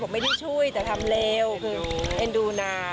ไม่ได้ช่วยแต่ทำเร็วคือเอ็นดูนา